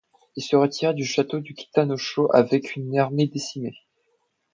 Il se retira au château de Kitanoshō avec une armée décimée.